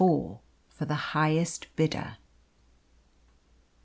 FOR THE HIGHEST BIDDER.